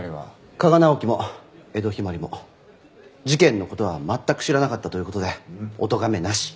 加賀直樹も江戸陽葵も事件の事は全く知らなかったという事でおとがめなし。